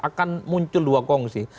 akan muncul dua kongsi